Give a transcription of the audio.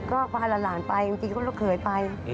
ก็พาละหลานไปจริงก็เคยไป